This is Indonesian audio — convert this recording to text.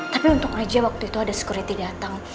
tapi untuk aja waktu itu ada security datang